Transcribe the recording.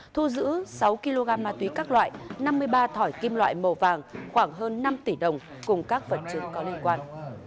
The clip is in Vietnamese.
thu giữ sáu kg ma túy các loại năm mươi ba thỏi kim loại màu vàng khoảng hơn năm tỷ đồng cùng các vật chứng có liên quan